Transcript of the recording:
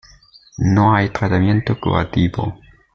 No hay tratamiento curativo.